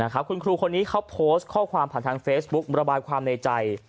คุณครูคนนี้เขาโพสต์ข้อความผ่านทางเฟซบุ๊กระบายความในใจ